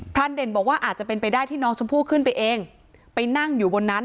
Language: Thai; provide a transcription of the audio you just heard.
รานเด่นบอกว่าอาจจะเป็นไปได้ที่น้องชมพู่ขึ้นไปเองไปนั่งอยู่บนนั้น